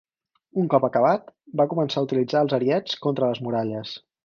Un cop acabat, van començar a utilitzar els ariets contra les muralles.